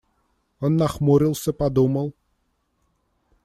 Он нахмурился, подумал.